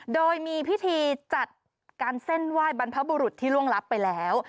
โดยมีพิธีจัดการเส้นไหว้บรรพบุรุษที่ล่วงลับไปแล้ว